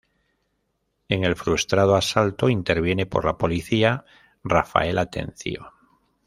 En el frustrado asalto, interviene por la policía, Rafael Atencio.